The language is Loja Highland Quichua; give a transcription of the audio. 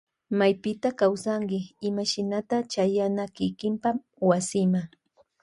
Maypita kawsanki imashinata chayana kikinpa wasima.